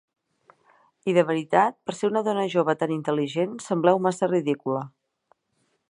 I de veritat, per ser una dona jove tan intel·ligent, sembleu massa ridícula.